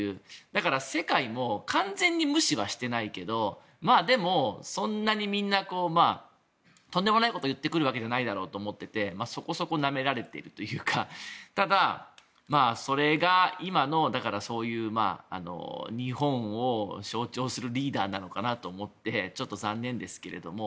だから世界も完全に無視はしてないけど、そんなにみんなとんでもないことを言ってくるわけじゃないだろうと思っていてそこそこなめられているというかただ、それが今の日本を象徴するリーダーなのかなと思ってちょっと残念ですけれども。